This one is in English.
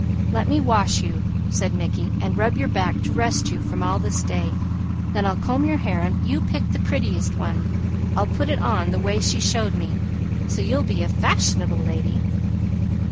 "Let me wash you," said Mickey, "and rub your back to rest you from all this day, then I'll comb your hair and you pick the prettiest one. I'll put it on the way she showed me, so you'll be a fash'nable lady."